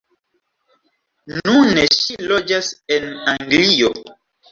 Nune ŝi loĝas en Anglio.